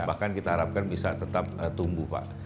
bahkan kita harapkan bisa tetap tumbuh pak